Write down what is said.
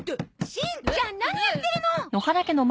しんちゃん何やってるの！